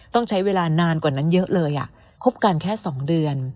ต้องใช้เวลานานกว่านั้นเยอะเลยคบกันแค่๒เดือน